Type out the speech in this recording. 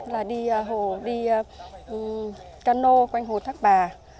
là đi cano quanh hồ thác bà